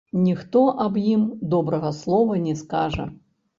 Ніхто аб ім добрага слова не скажа.